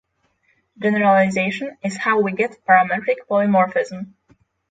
Generalisation is how we get parametric polymorphism